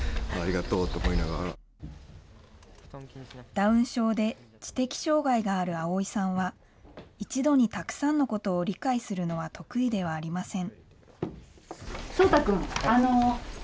ダウン症で知的障害がある葵さんは、一度にたくさんのことを理解するのは得意ではありません。